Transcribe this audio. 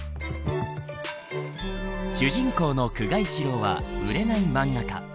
主人公の久我一郎は売れない漫画家。